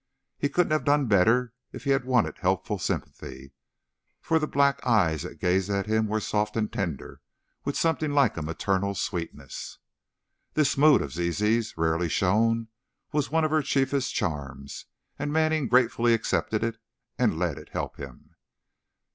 He couldn't have done better if he wanted helpful sympathy, for the black eyes that gazed at him were soft and tender with something like a maternal sweetness. This mood of Zizi's, rarely shown, was one of her chiefest charms, and Manning gratefully accepted it, and let it help him.